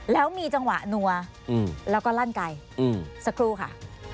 แล้วมีจังหวะนัวแล้วก็ลั่นไกลสักครู่ค่ะ